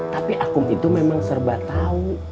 tapi akum itu memang serba tau